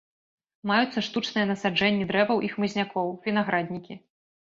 Маюцца штучныя насаджэнні дрэваў і хмызнякоў, вінаграднікі.